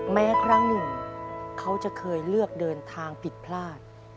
แม้ครั้งหนึ่งเขาจะเคยเลือกเดินทางผิดพลาด